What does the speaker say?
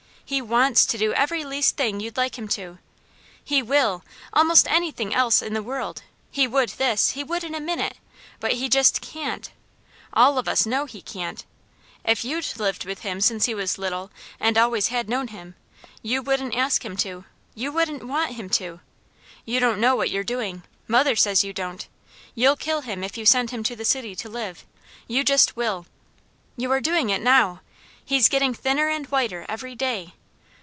He WANTS to do every least thing you'd like him to. He will, almost any thing else in the world, he would this he would in a minute, but he just CAN'T. All of us know he can't! If you'd lived with him since he was little and always had known him, you wouldn't ask him to; you wouldn't want him to! You don't know what you're doing! Mother says you don't! You'll kill him if you send him to the city to live, you just will! You are doing it now! He's getting thinner and whiter every day.